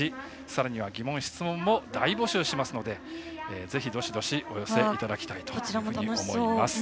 さらには、疑問、質問も大募集しますのでお寄せいただきたいと思います。